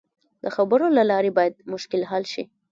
د خبرو له لارې باید مشکل حل شي.